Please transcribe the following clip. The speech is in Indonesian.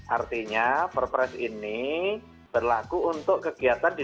artinya perpres ini berlaku untuk kegiatan di dua ribu sembilan belas